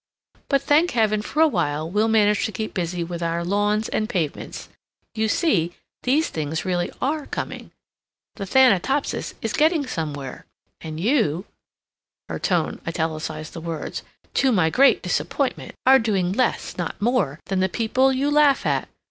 but, thank heaven, for a while we'll manage to keep busy with our lawns and pavements! You see, these things really are coming! The Thanatopsis is getting somewhere. And you " Her tone italicized the words "to my great disappointment, are doing less, not more, than the people you laugh at!